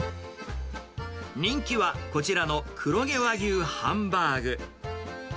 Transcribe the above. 人気は、こちらの黒毛和牛ハンバーグ。